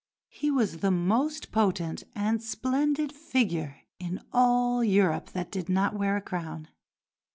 His was the most potent and splendid figure in all Europe that did not wear a crown.